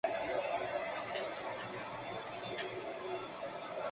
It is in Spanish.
Aun así, en este polígono hay fábricas tan importantes como John Deere.